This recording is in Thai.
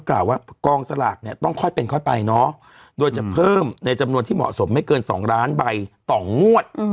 กล่าวว่ากองสลากเนี่ยต้องค่อยเป็นค่อยไปเนาะโดยจะเพิ่มในจำนวนที่เหมาะสมไม่เกิน๒ล้านใบต่องวด